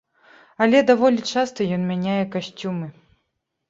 Але даволі часта ён мяняе касцюмы.